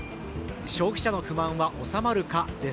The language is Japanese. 消費者の不満は収まるか？です。